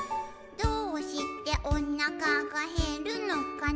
「どうしておなかがへるのかな」